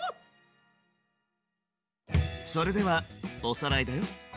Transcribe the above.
それではおさらいだよ。